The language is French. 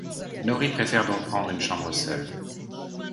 Nori préfère donc prendre une chambre seule.